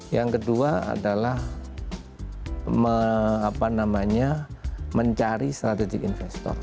yang kedua adalah mencari strategic investor